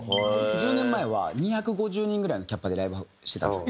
１０年前は２５０人ぐらいのキャパでライブしてたんですよ。